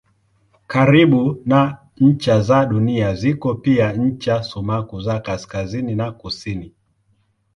Karibu na ncha za Dunia ziko pia ncha sumaku za kaskazini na kusini.